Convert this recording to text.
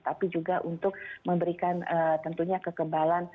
tapi juga untuk memberikan tentunya kekebalan